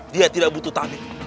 dia tidak butuh tabib